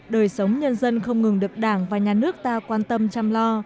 đời sống nhân dân không ngừng được đảng và nhà nước ta quan tâm chăm lo